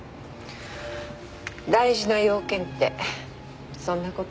大事な用件ってそんな事？